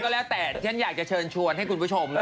แล้วแต่ฉันอยากจะเชิญชวนให้คุณผู้ชม